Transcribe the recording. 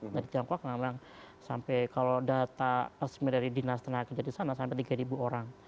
dari tiongkok sampai kalau data asmi dari dinas tenaga kerja disana sampai tiga ribu orang